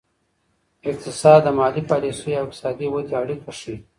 اقتصاد د مالي پالیسیو او اقتصادي ودې اړیکه ښيي.